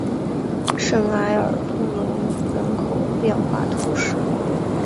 圣埃尔布隆人口变化图示